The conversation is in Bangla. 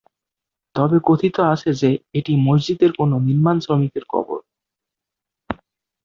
তবে কথিত আছে যে এটি মসজিদের কোন নির্মাণ শ্রমিকের কবর।